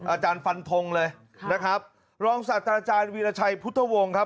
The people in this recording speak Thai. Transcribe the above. อาจารย์ฟันทงเลยนะครับรองศาสตราจารย์วีรชัยพุทธวงศ์ครับ